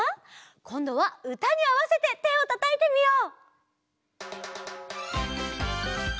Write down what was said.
こんどはうたにあわせててをたたいてみよう！